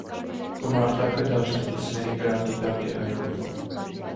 Գումարտակը դաշնակիցների կրակի տակ է հայտնվում։